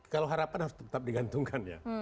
kalau harapan harus tetap digantungkan ya